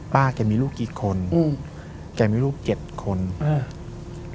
ป้าแกมีรูปกี่คนอืมแกมีรูปเก็ดคนอืม